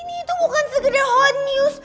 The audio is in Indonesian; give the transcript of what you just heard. ini itu bukan segede hot news